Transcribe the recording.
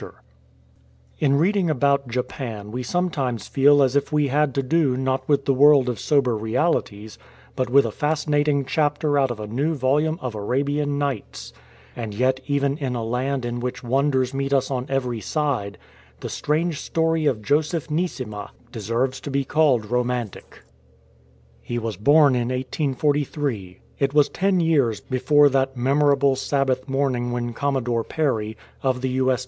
47 "DAIMIO" AND THE STABLE BOY In reading about Japan we sometimes feel as if we had to do not with the world of sober realities, but with a fasci nating chapter out of a new volume of Arabian Nights, And yet even in a land in which wonders meet us on every side, the strange story of Joseph Neesima deserves to be called romantic. He was born in 1843; It was ten years before that memor able Sabbath morning when Commodore Perry, of the U.S.